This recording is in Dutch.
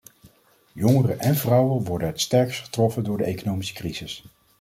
Jongeren en vrouwen worden het sterkst getroffen door de economische crisis.